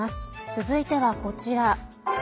続いてはこちら。